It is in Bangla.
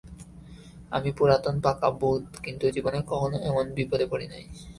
আমি পুরাতন পাকা ভূত, কিন্তু জীবনে কখনও এমন বিপদে পড়ি নাই।